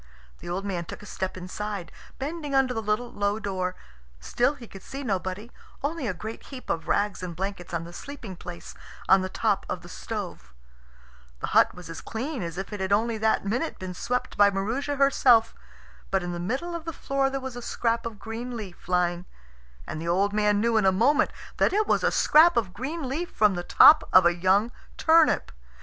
The old man took a step inside, bending under the little low door. Still he could see nobody, only a great heap of rags and blankets on the sleeping place on the top of the stove. The hut was as clean as if it had only that minute been swept by Maroosia herself. But in the middle of the floor there was a scrap of green leaf lying, and the old man knew in a moment that it was a scrap of green leaf from the top of a young turnip.